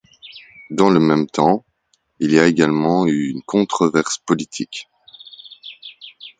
Dans le même temps, il y a également eu une controverse politique.